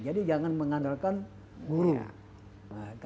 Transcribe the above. jadi jangan mengandalkan buruk